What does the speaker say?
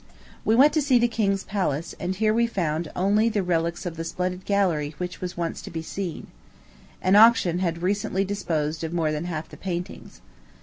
We went to see the late King's Palace, and here we found only the relics of the splendid gallery which was once to be seen. An auction had recently disposed of more than half the paintings.